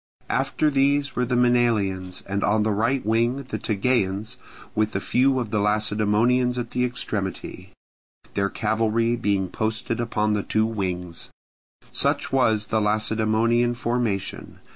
After these were the Maenalians, and on the right wing the Tegeans with a few of the Lacedaemonians at the extremity; their cavalry being posted upon the two wings. Such was the Lacedaemonian formation.